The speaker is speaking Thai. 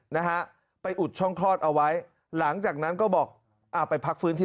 นะฮะไปอุดช่องคลอดเอาไว้หลังจากนั้นก็บอกอ่าไปพักฟื้นที่